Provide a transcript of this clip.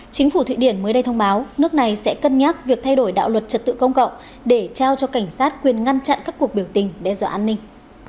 chính phủ thụy điển mới đây thông báo nước này sẽ cân nhắc việc thay đổi đạo luật trật tự công cộng để trao cho cảnh sát quyền ngăn chặn các cuộc biểu tình đe dọa an ninh